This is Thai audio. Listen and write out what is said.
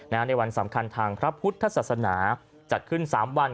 ในวันสำคัญทางพระพุทธศาสนาจัดขึ้น๓วัน